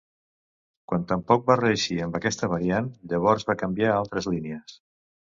Quan tampoc va reeixir amb aquesta variant, llavors va canviar a altres línies.